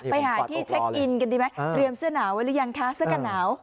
ไปหาที่เช็คอินกันดีไหมเตรียมเสื้อหนาวไว้หรือยังคะเสื้อกันหนาว